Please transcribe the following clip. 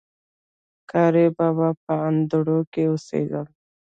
قاري بابا په اندړو کي اوسيدل